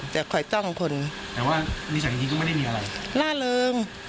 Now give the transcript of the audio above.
แต่คอยจ้องคน